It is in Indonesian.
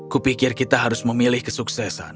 kupikir kita harus memilih kesuksesan